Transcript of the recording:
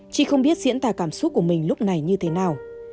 chị không biết diễn tả cảm xúc của mình lúc này như thế nào